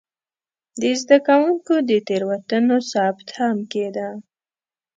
د زده کوونکو د تېروتنو ثبت هم کېده.